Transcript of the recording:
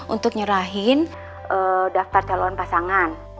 untuk nyerahin daftar calon pasangan